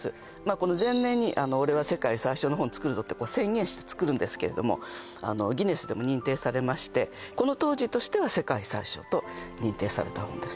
この前年に俺は世界最小の本作るぞって宣言して作るんですけれどもギネスでも認定されましてこの当時としては世界最小と認定された本です